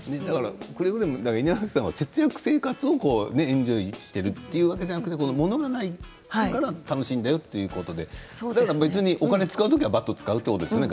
稲垣さんは節約生活をエンジョイしているというわけではなくて物がないから楽しんでいるということでお金を使う時には使うということですよね